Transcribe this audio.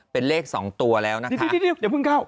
เป็นเลขสองตัวแล้วนะคะ